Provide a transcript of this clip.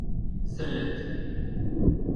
sellet